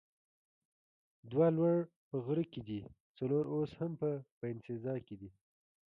دوه لوړ په غره کې دي، څلور اوس هم په باینسیزا کې دي.